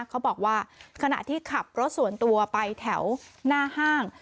เขาบอกว่าขณะที่ขับรถส่วนตัวไปแถวหน้าห้าง